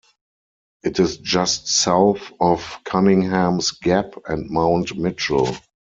It is just south of Cunninghams Gap and Mount Mitchell.